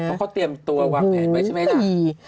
เพราะเขาเตรียมตัววางแผนไว้ใช่ไหมล่ะ